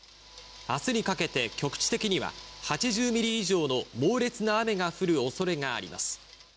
明日にかけて局地的には８０ミリ以上の猛烈な雨が降る恐れがあります。